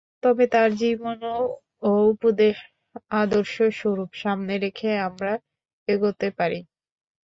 তবে তাঁর জীবন ও উপদেশ আদর্শ-স্বরূপ সামনে রেখে আমরা এগোতে পারি।